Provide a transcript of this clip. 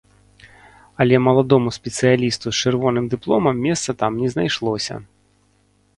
Але маладому спецыялісту з чырвоным дыпломам месца там не знайшлося.